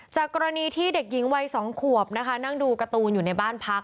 จากกรณีที่เด็กหญิงวัย๒ขวบนะคะนั่งดูการ์ตูนอยู่ในบ้านพัก